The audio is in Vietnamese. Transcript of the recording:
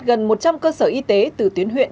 gần một trăm linh cơ sở y tế từ tuyến huyện